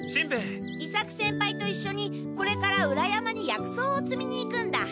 伊作先輩といっしょにこれから裏山に薬草をつみに行くんだ。